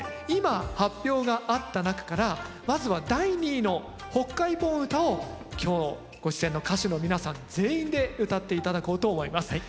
今発表があった中からまずは第２位の「北海盆唄」を今日ご出演の歌手の皆さん全員でうたって頂こうと思います。